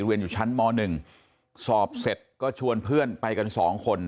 เรียนอยู่ชั้นม๑สอบเสร็จก็ชวนเพื่อนไปกันสองคน